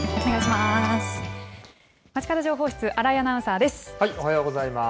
まちかど情報室、新井アナウンサーです。